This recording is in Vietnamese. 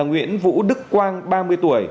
nguyễn vũ đức quang ba mươi tuổi